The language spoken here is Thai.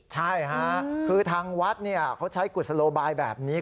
ใช่ค่ะคือทางวัดเขาใช้กุศโลบายแบบนี้